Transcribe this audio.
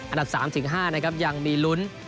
อันดับ๓ถึง๕ยังมีลุ้น